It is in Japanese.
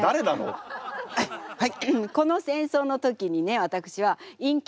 はい！